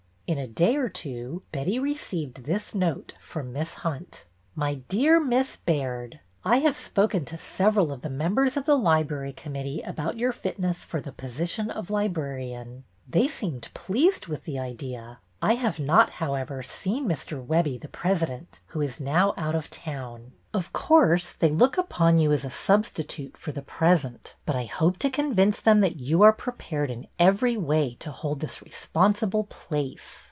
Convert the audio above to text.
In a day or two Betty received this note from Miss Hunt: My dear Miss Baird, — I have spoken to several of the members of the Library Committee about your fitness for the position of librarian. They seemed pleased with the idea. I have not, however, seen Mr. Webbie, the president, who is now out of town. Of course they look upon you as a substitute, for the 202 BETTY BAIRD'S VENTURES present, but I hope to convince them that you are pre pared in every way to hold this responsible place.